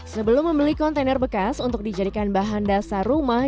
sebelum membeli kontainer bekas untuk dijadikan bahan dasar rumah